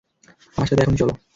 আমার সাথে এখনি চলো।